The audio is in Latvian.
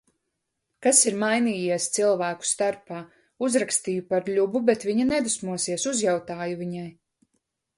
Kas ir mainījies cilvēku starpā? Uzrakstīju par Ļubu, bet viņa nedusmosies. Uzjautāju viņai.